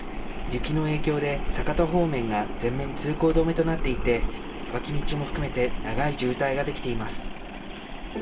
雪の影響で酒田方面が全面通行止めとなっていて、脇道も含めて長い渋滞が出来ています。